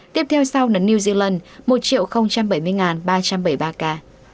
tiếp theo sau là new zealand một bảy mươi ba trăm bảy mươi ba ca